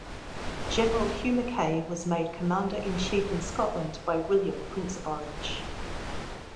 General Hugh Mackay, was made Commander-in-Chief in Scotland by William, Prince of Orange.